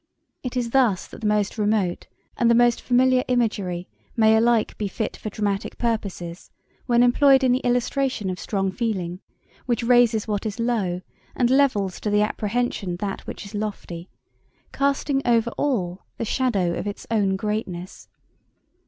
It is thus that the most remote and the most familiar imagery may alike be fit for dramatic purposes when employed in the illustration of strong feeling, which raises what is low, and levels to the apprehension that which is lofty, casting over all the shadow of its own greatness.